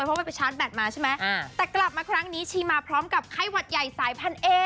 เพราะว่ามันไปชาร์จแบตมาใช่ไหมแต่กลับมาครั้งนี้ชีมาพร้อมกับไข้หวัดใหญ่สายพันเอ